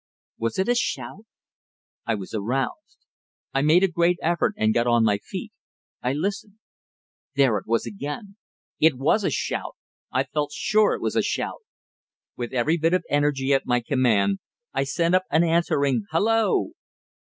Was it a shout? I was aroused. I made a great effort and got on my feet. I listened. There it was again! It was a shout, I felt sure it was a shout! With every bit of energy at my command, I sent up an answering "Hello!"